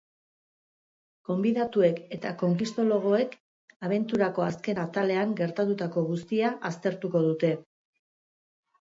Gonbidatuek eta conquistologoek abenturako azken atalean gertatutako guztia aztertuko dute.